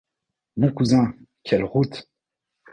Mon cousin, quelle route !